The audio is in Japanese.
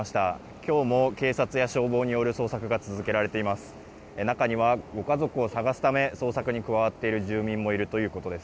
今日も警察や消防による捜索が続けられています。